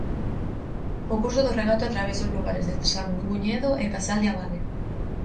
O curso do regato atravesa os lugares de Sanguñedo e Casal de Abade.